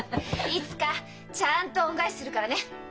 いつかちゃんと恩返しするからね！